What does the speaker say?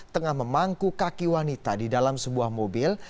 tengah memangku kaki wanita di dalam sebuah mobil